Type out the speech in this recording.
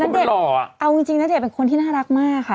น้องเดชน์เอาจริงน้องเดชน์เป็นคนที่น่ารักมากค่ะ